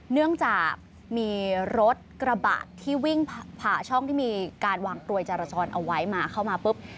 เนื่องจากมีรถกระบะที่วิ่งผ่าช่องที่มีการวางกลวยจารจรเอาไว้มาเข้ามาปุ๊บ